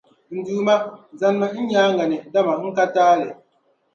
N Duuma, zanimi n nyaaŋa ni, dama n ka taali.